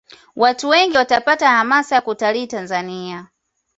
Watu wengi watapata hamasa ya kutalii tanzania